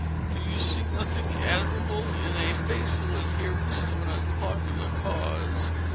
Do you see nothing admirable in a faithful adherence to an unpopular cause?